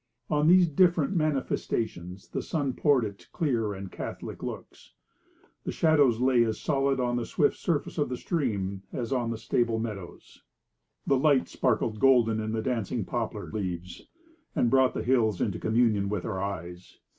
On these different manifestations the sun poured its clear and catholic looks. The shadows lay as solid on the swift surface of the stream as on the stable meadows. The light sparkled golden in the dancing poplar leaves, and brought the hills into communion with our eyes.